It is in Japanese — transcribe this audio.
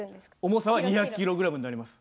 重さは２００ｋｇになります。